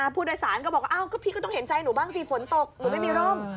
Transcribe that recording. ผู้โดยสารก็บอกว่าพี่ก็ต้องเห็นใจหนูบ้างสิฝนตกหนูไม่มีร่ม